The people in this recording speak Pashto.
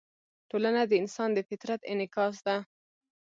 ټولنه د انسان د فطرت انعکاس ده.